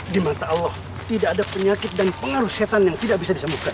di mata allah tidak ada penyakit dan pengaruh setan yang tidak bisa disembuhkan